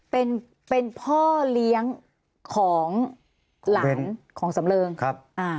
เป็นพ่อเลี้ยงของหลานของสำเริงครับ